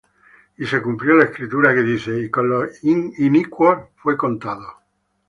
Y se cumplió la Escritura, que dice: Y con los inicuos fué contado.